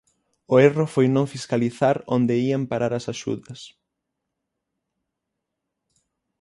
O erro foi non fiscalizar onde ían parar as axudas.